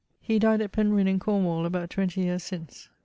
He died at Penrhyn in Cornwall about 20 yeares since.